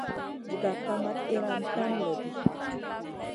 Diga kamat iyran tan loɗi.